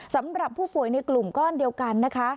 สำหรับผู้ป่วยในกลุ่มก้อนเดียวกันนะคะ